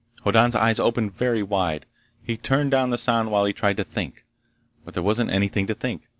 Hoddan's eyes opened very wide. He turned down the sound while he tried to think. But there wasn't anything to think.